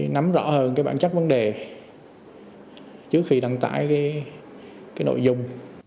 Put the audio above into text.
nắm rõ hơn bản chất vấn đề trước khi đăng tải nội dung